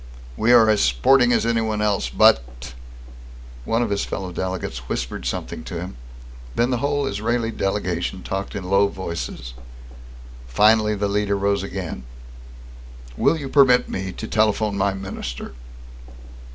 "We are as sporting as anyone else, but " One of his fellow delegates whispered something to him. Then the whole Israeli delegation talked in low voices. Finally the leader rose again. "Will you permit me to telephone my minister?"